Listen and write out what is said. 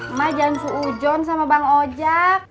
emak jangan seujon sama bang ojak